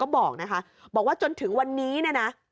บอกนะคะบอกว่าจนถึงวันนี้เนี่ยนะ